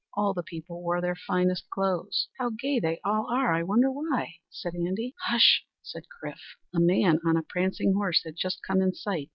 All the people wore their finest clothes. "How gay they all are! I wonder why?" said Andy. "Hush!" cried Chrif. A man on a prancing horse had just come in sight.